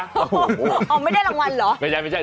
โอ้โหไม่ได้รางวัลเหรอ